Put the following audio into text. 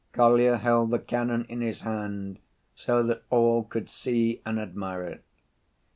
Kolya held the cannon in his hand so that all could see and admire it.